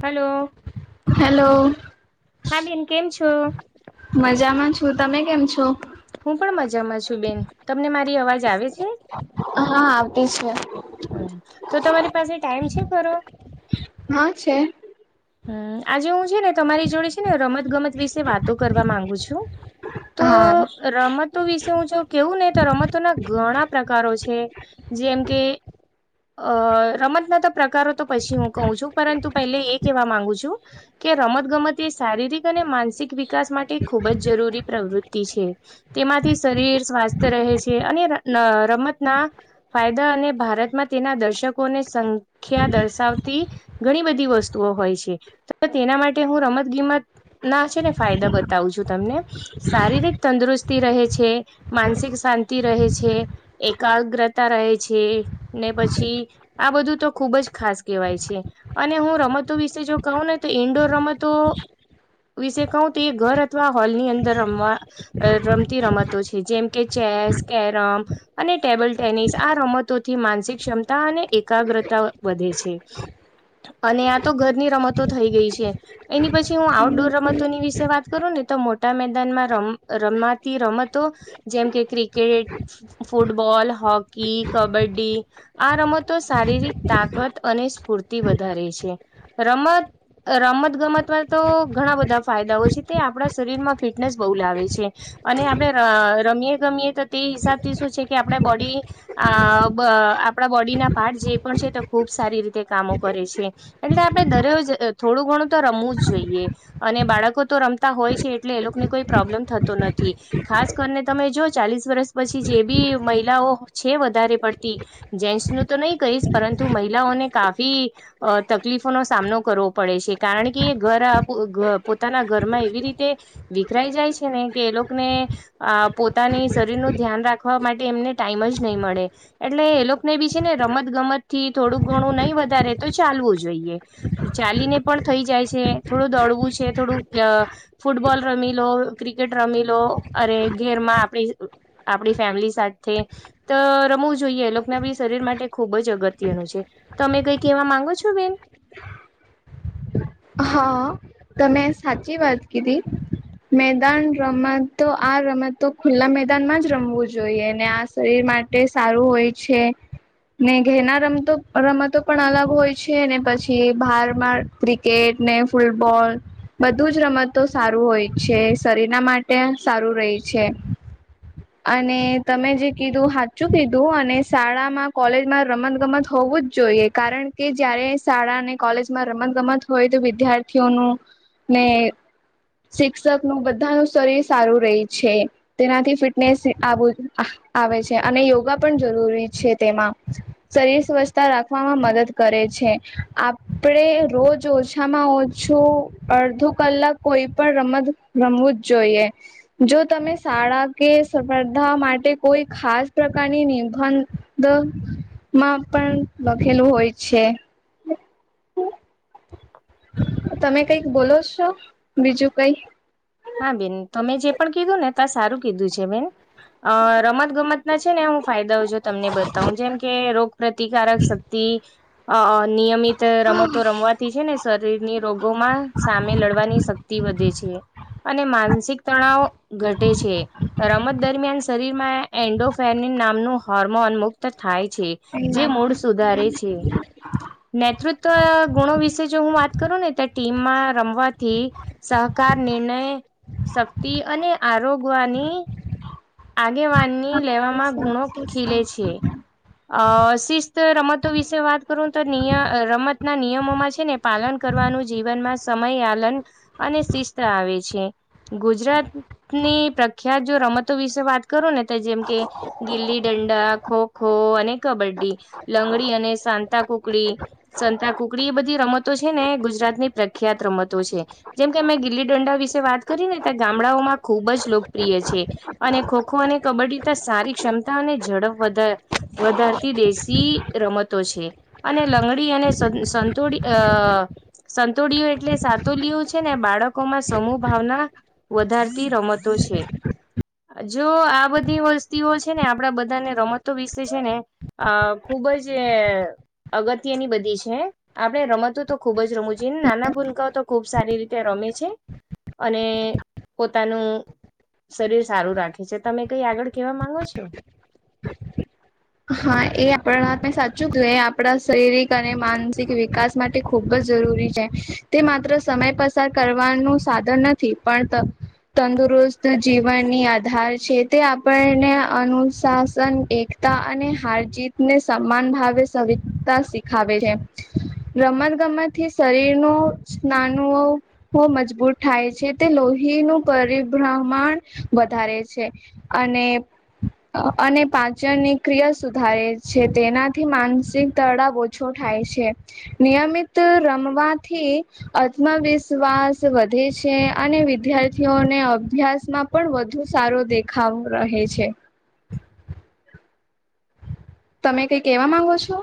Hello. Hello. હા બેન કેમ છો? મજામાં છું, તમે કેમ છો? હું પણ મજામાં છું બેન, તમને મારી અવાજ આવે છે? અહા આવતી છે. હમ્મ તો તમારી પાસે ટાઈમ છે ખરો. હા છે. હમ્મ આજે હું છે ને તમારી જોડે છે ને રમત ગમત વિશે વાતો કરવા માંગુ છું તો હા. રમત તો વિશે હું જો કેવું ને તો રમતો ના ઘણા પ્રકારો છે જેમ કે અ રમતના તો પ્રકારો તો પછી હું કહું છું પરંતુ પહેલે એક કેવા માંગુ છું કે રમત ગમત એ શારીરિક અને માનસિક વિક વિકાસ માટે ખૂબ જ જરૂરી પ્રવૃત તી છે તેમાંથી શરીર સ્વાસ્થ રહે છે અને ર ન રમતના ફાયદા અને ભારતમાં તેના દર્શકોને સંખ્યા દર્શાવતી ઘણી બધી વસ્ તુંઓ હોય છે તો તેના માટે હું રમત ગીમત ના છે ને ફાયદા બતાવું છું તમને શારીરિક તંદુરસ્તી રહે છે, માનસિક શાંતિ રહે છે. એકાગ્રતા રહે છે ને પછી આ બધું તો ખુબ જ ખાસ કેહેવાય છે અને હું રમ તો વિશે જો કહું ને તો ઈન્ડોર રમતો વિશે કહું તો એ ઘર અથવા હોલ ની અંદર રમવા અ રમતી રમતો છે જેમ કે ચેસ કેરમ અને ટેબલ ટેનિસ આ રમતોથી માનસિક ક્ષમતા અને એકાગ્રતા વધે છે અને આ તો ઘરની રમતો થઈ ગઈ છે એની પછી હું આઉટડોર રમતોની વિશે વાત કરું ને તો મોટા મેદાનમાં રમ રમવાતી રમતો જેમ કે ક્રિકેટ ફુટબોલ હોકી કબડ્ડી આ રમતો શારીરિક તાકાત અને સ્ફૂર્તિ વધારે છે રમ રમત ગમતમાં તો ઘણા બધા ફાયદાઓ છે તે આપણા શરીરમાં ફિટનેસ બહુ લાવે છે. અને આપડે ર રમીએ ગમીએ તો તે હિસાબથી શું છે કે આપણે બોડી આ બ આપડા બોડીના પાર્ટ જે પણ છે તે ખૂબ સારી રીતે કામો કરે છે એટલે આપડે દરે થોડું ઘણું તો રમવું જ જોઈએ અને બાળકો તો રમતા હોય છે એટલે એ લોકોને કોઈ પ્રોબ્લેમ થતું નથી ખાસ કરીને તમે જો ચાલીસ વર્ષ પછી જે બી મહિલાઓ છે વધારે પડતી જેન્ટ્સ નું તો નહી કહીશ પરંતુ મહિલાઓને કાફી અ તકલીફોનો સામનો કરવો પડે છે કારણ કે એ ઘર પોતાના ઘરમાં એવી રીતે વિખરાઈ જાય છે ને કે એ લોકોને અ પોતાની શરીરનું ધ્યાન રાખવા માટે એમને ટાઈમ જ નહીં મળે એટલે એ લોકો ને બી છે ને રમત ગમત થી થોડું ઘણું નહીં વધારે તો ચાલવું જ જોઈએ ચાલીને પણ થઈ જાય છે થોડું દડવું છે થોડુંક ફૂટબોલ રમી લો ક્રિકેટ રમી લો અરે ઘેરમાં આપડી આપડી ફેમિલી સાથે ત રમવું જોઈએ એ લોકનાભી શરીર માટે ખૂબ જ અગત્યનું છે તમે કઈ કેવા માંગો છો બેન હા તમે સાચી વાત કીધી મેદાન રમત તો આ રમત તો ખુલ્લા મેદાનમાં જ રમવું જોઈએ ને આ શરીર માટે સારું હોય છે ને ઘેના રમતો રમતો પણ અલગ હોય છે ને પછી બહારમાં ક્રિકેટ ને ફૂટબોલ બધું જ રમતો સારું હોય છે શરીરના માટે સારું રહે છે અને તમે જે કીધું હાચું કીધું અને શાળામાં કોલેજમાં રમત ગમત હોવું જ જોઈએ કારણ કે જયારે શાળા અને કોલેજમાં રમત ગમત હોય તો બી દ્યાર્થીઓનું ને શિક્ષક નું બધા નું શરીર સારું રેય છે તેનાથી ફિટનેસ આવ આવે છે અને યોગા પણ જરૂરી છે તેમાં શરીર સ્વછતા રાખવામાં મદદ કરે છે આપડે રોજ ઓછામાં ઓ છું અડધૂ કલાક કોઈ પણ રમત રમવું જ જોઈએ જો તમે શાળા કે સ્પર્ધા માટે કોઈ ખાસ પ્રકારની નિધન દ માં પણ લખેલું હોય છે તમે કઈક બોલો છો બીજું કઈ હા બેન તમે જે પણ કીધું ને ત્યા સારું કીધું છે બે અ રમત ગમત ના છે ને હું ફાયદાઓ જો તમને બતાવું જેમ કે રોગપ્રતિકારક શક તિ અ નિયમિત રમતો રમત થી છે ને શરીર ની રોગોમાં સામે લડવાની શક્તિ વધે છે અને માનસિક તણાવ ઘટે છે રમત દરમિયાન શરીરમાં એન્ડોફેનિન નામનું હોર્મોન મુક્ત થાય છે કઈ જે મૂળ સુધારે છે નેતૃત્વ ગુણો વિશે જો હું વાત કરું ને તો ટીમમાં રમવાથી સહકાર નિર્ણય શક્તિ અને આરોગવાની આગેવાનની લેવામાં ગુણો ના ખીલે છે અ શિસ્ત રમતો વિશે વાત કરું તો નીય રમતના નિયમોમાં છે ને પાલન કરવાનું જીવનમાં સમયયાલન અને શિસ્ત આવે છે ગુજરાતની પ્રખ્યાત જો રમત તો વિશે વાત કરું ને તો જેમ કે ગિલ્લી દંડા ખોખો અને કબડ્ડી લંગડી અને સાંતા કુકડી સંતા કુકડી એ બધી રમતો છે ને ગુજરાત ની પ્રખ્યાત રમતો છે જેમ કે મે ગીલી દંડા વિશે વાત કરી ને ત્યાં ગામડાઓમાં ખૂબ જ લોકપ્રિય છે અને ખોખો અને કબડ્ડી ત સારી ક્ષમતા અને ઝડપ વધારે વધારતી દેશી રમતો છે અને લંગડી અને. સ સંતોડી આહ. સંતુળિયઓ એટલે સાતુલું છે ને બાળકો માં સમૂહ ભાવના. વધારતી રમતો છે. જો આ બધી વસ્તીઓ છે ને આપડા બધાને રમતો વિશે છે ને. અ ખુબ જ અગત્યની બધી છે. આપડણે રમતું તો ખુબ જ રમું જોએ નાના ભૂનકાઓ તો ખુબ સારી રીતે રમે છે. અને પોતાનું શરીર. સારું રાખે છે તમે કઈ આગળ કેવા માંગો છો. . [inaudible] હા એ આપણા હા મે સાચું હતું એ આપણા શરીરિક અને માનસિક વિકાસ. માટે ખૂબ જ જરૂરી છે તે માત્ર સમય પસાર કરવાનું સાધન નથી પણ. તંદુરસ્ત જીવનની આધાર છે તે આપણને. અનુશાસન એકતા અને હાર જીતને સમાન ભાવે સવતા શી. ખાવે છે રમત ગમતથી શરીર ન સ્નાનુઓ. મજબૂત થાય છે તે લોહીનુંું પરિભ્રમણ વધારે છે. અને. અને પાચનની ક્રિયા સુધારે છે તેનાથી માનસિક તડાવ. ઓછો થાય છે નિયમિત રમવાથી. આત્મવિશ્વાસ વધે છે અને વિદ્યાર્થીઓને અભ્યાસમાં. પણ વધુ સારો દેખાવ રહે છે. તમે કઈ કેવા માંગો છો.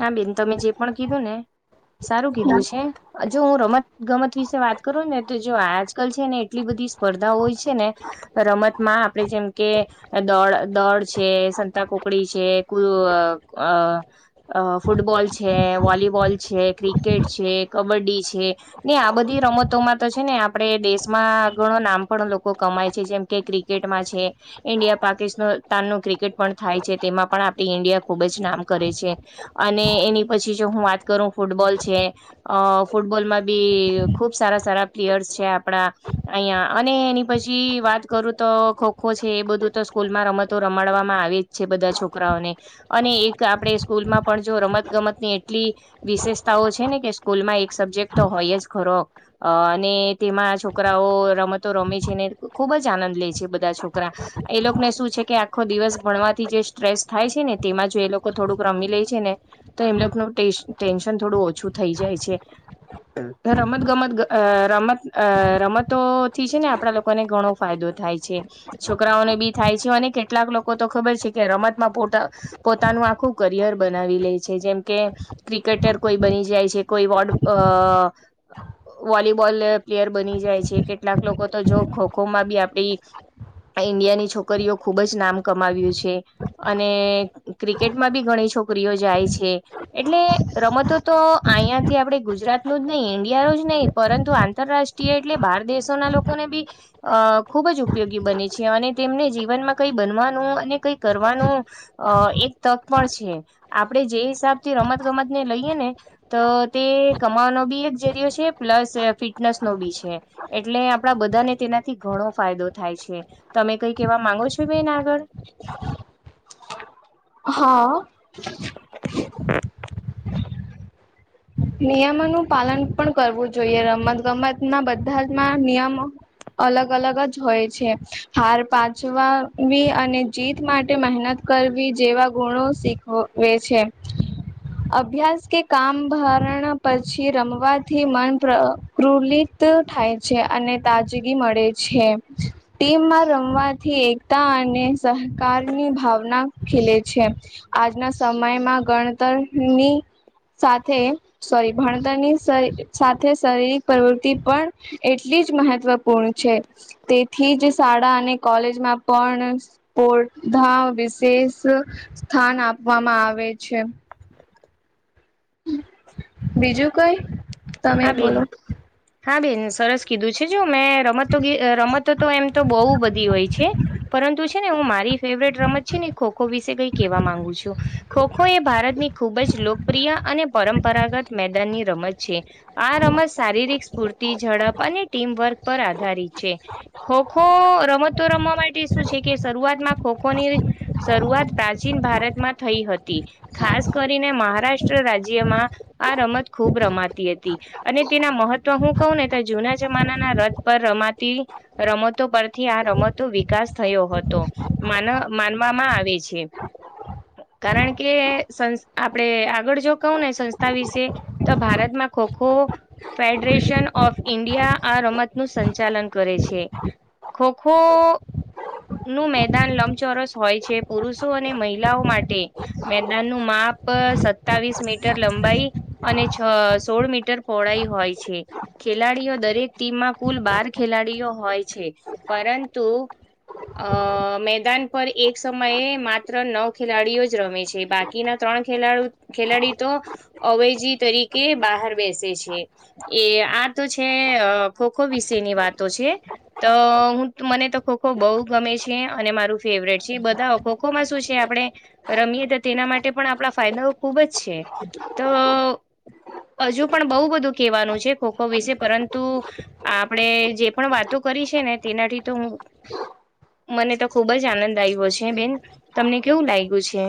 હા બેન તમે જે પણ કીધું ને સારું કીધું છે. જો હું રમત ગમત વિશે વાત કરું ને તો જો આજકાલ છે ને એટલી બધી. સ્પર્ધા હોય છે ને રમતમાં આપણે જેમ કે. દોડ દોડ છે સંતા કોકડી છે કુ અ. અ ફૂટબોલ છે વોલીબોલ છે ક્રિકેટ છે કબડ્ડી છે. ને આ બધી રમતોમાં તો છે ને આપડે દેશમાં ઘણો નામ પણ લોકો કમાય છે જેમ કે ક્રિક. ્રિકટ છે ઇન્ડિયા પાકિસ્તાન ક્રિકેટ. થાય છે તેમાં પણ આપણી ઇન્ડિયા ખુબ જ નામ કરે છે અને એની પછી જો હું વાત. કરું ફૂટબોલ છે અ ફૂટબોલ માં બી ખુબ સારા સારા. પ્લેયર્સ છે આપણા. અહં અને એની પછી વાત કરું તો ખોખો છે એ બધું તો સ્કૂલ માં રમતો રમાડવામાં આવે. છે બધા છોકરાઓને અને એક આપણે સ્કૂલ માં પણ જો રમત ગમત ની એટલી. વિશેષતાઓ છે ને કે સ્કૂલ માં એક સબ્જેક્ટ તો હોય જ ખરો. અ અને તેમાં છોકરાઓ રમતો રમે છે ને ખુબ જ આનંદ લે છે બધા છોકરા. એ લોકોને શું છે કે આખો દિવસ ભણવાથી જે સ્ટ્રેસ થાય છે ને તેમાં જો એ લોકો થોડુંક. રમી લે છે ને તો એમ લોકોનું ટેન્શન થોડું ઓછું થઈ જાય છે. રમત ગમત રમત રમતો થી છે ને આપડા લોકોને ઘણો. ફાયદો થાય છે છોકરાઓને બી થાય છે અને કેટલાક લોકો તો ખબર છે કે રમતમાં પો પોતાનું આખું કરિયર બનાવી લે છે જેમ કે. ક્રિકેટર કોઈ બની જાય છે કોઈ વોર્ડ અ. વોલીબોલ પ્લેયર બની જાય છે કેટલાક લોકો તો જો ખોખોમાં બી આપડી. ઇન્ડિયાની છોકરીઓ ખુબ જ નામ કમાવ્યું છે અને ક્રિકેટ. માં બી ઘણી છોકરીઓ જાય છે. એટલે રમતો તો અહીયા થી આપડે ગુજરાત નુ જ નહી ઈન્ડિયા ન જ નહી. પરંતુ આંતરરાષ્ટ્રીય એટલે બહાર દેશોના લોકોને બી. અ ખૂબ જ ઉપયોગી બને છે અને તેમને જીવનમાં કઈ બનવાનું અને કઈ કરવાનું. અ એક તક પણ છે આપણેે જે હિસાબ થી રમત ગમત ને લઈએ ને. તો તે કમાવાનો બી એક જરિયો છે પ્લસ ફિટનેસ નો બી છે. એટલે આપણા બધાને તેનાથી ઘણો ફાયદો થાય છે. તમે કઈ કેવા માંગો છો બેન આગળ. [unintelligible] હા. હ [unintelligible] નિયમોનું પાલન પણ કરવું જોઈએ રમત ગમતમાં બધામાં નિયમો. અલગ અલગ જ હોય છે હાર પાચવાવી અને જીત માટે મહેનત. કરવી જેવા ગુણો શીખવે છે અભ્યાસ કે કામ ભાર. પછી રમવાથી મન પ્રકુલિત થાય છે અને તાજગી મળે. છે ટીમમાં રમવાથી એકતા અને સહકારની ભાવના ખીલે છે આજના સમયમાં ગણ તર ની સાથે. સોરી ભણતરની સ‌ઇ સાથે શારીરિક પ્રવૃતિ પણ એટલી જ મહત્વપૂર્ણ છે. તેથી જ શાળા અને કોલેજમાં પણ પોઘા [inaudible] બધા વિશેષ સ્થાન આપવામાં આવે છે. બીજું કઈ. તમે હા બોલો બેન હા બેન સરસ. કીધું છે જો મેં રમતો ભી રમતો તો એમ તો બહુ બધી હોય છે. પરંતુ છે ને હું મારી ફેવરેટ રમત છે ને ખો ખો વિશે કઈ કેહેવા માંગુ છું. ખોખો એ ભારતની ખૂબ જ લોકપ્રિય અને પરંપરાગત મેદાનની રમત છે. આ રમત શારીરિક સ્ફૂર્તિ ઝડપ અને ટીમવર્ક પર આધારિત છે. ખોખો રમતો રમવા માટે શું છે કે શરૂઆતમાં ખોખોની. શરૂઆત પ્રાચીન ભારતમાં થઈ હતી ખાસ કરીને મહારાષ્ટ્ર રા્ટ રાજ્યમાં આ રમત ખૂબ રમાતી હતી. અને તેના મહત્વ હું કહું ને તો જૂના જમાનાના રથ પર રમાતી. રમતો પરથી આ રમતો વિકાસ થયો હતો. માન માનવામાં આવે છે. કારણ કે સં આપડે આગળ જો કહું ને સંસ્થા વિશે. તો ભારતમાં ખોખો. ખો ફેડરેશન ઓફ ઇન્ડિયા આ રમત નું સંચાલન કરે છે. ખો ખો. નું મેદાન લંબચોરસ હોય છે પુરુષો અને મહિલાઓ માટે. મેદાનનું માપ સતાવીસ મીટર લંબાઈ અને છ સોળ મી. મીટર પહોળાઈ હોય છે. ખેલાડીઓ દરેક ટીમમાં કુલ બાર ખેલાડીઓ હોય છે પરંતુ અ મેદાન પર એક સમયે માત્ર નવ ખેલાડીઓ જ રમે છે બા. કી ના ત્રણ ખેલાડુ ખેલાડી તો અવૈજી તરીકે બહાર બેસે છે. એ આ તો છે અ ખો ખો વિશેની વાતો છે. તો હું મને તો ખોખો બહુ ગમે છે અને મારું ફેવરેટ છે બધા ખોખોમાં શું છે આપણે રમીએ તો તેના માટે પણ આપણા ફાયદાઓ ખુબ જ છે તો. હજુ પણ બહુ બધું કહેવાનું છે ખો ખો વિશે પરંતુ. આપણે જે પણ વાતો કરી છે ને તેનાથી તો હું. મને તો ખુબ જ આનંદ આવ્યો છે બેન તમને કેવું લાગ્યું છે.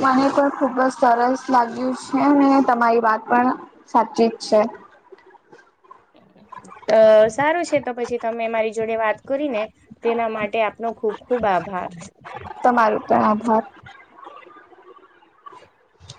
મને પણ ખુબ જ સરસ લાગ્યું છે ને તમારી વાત પણ સાચી જ છે. અ સારું છે તો પછી તમે મારી જોડે વાત કરી ને તેના માટે આપનો ખુબ ખુબ આભાર. તમારું પણ આભાર. [unintelligible]